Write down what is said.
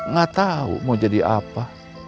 gak tahu mau jadi apa